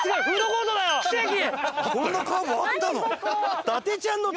こんなカーブあったの？